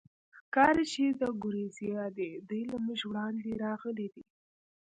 ښکاري، چې د ګوریزیا دي، دوی له موږ وړاندې راغلي دي.